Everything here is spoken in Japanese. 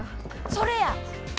それや！